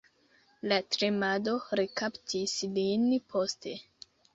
La tremado rekaptis lin poste.